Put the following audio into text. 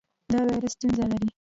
د وایرس ستونزه لرئ؟